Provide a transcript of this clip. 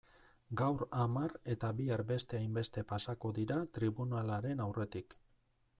Gaur hamar eta bihar beste hainbeste pasako dira tribunalaren aurretik.